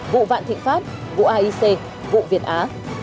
vụ vạn thịnh pháp vụ aic vụ việt á